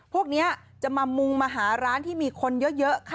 พวกนี้จะมามุงมาหาร้านที่มีคนเยอะค่ะ